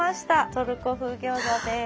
トルコ風餃子です。